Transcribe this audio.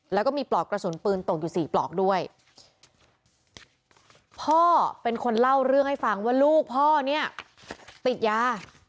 แล้วก็มีปลอกกระสุนปืนตกอยู่สี่ปลอกด้วยพ่อเป็นคนเล่าเรื่องให้ฟังว่าลูกพ่อเนี่ยติดยา